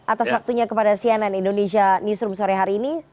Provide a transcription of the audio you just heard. atas waktunya kepada cnn indonesia newsroom sore hari ini